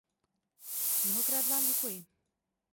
Mnohokrát vám děkuji.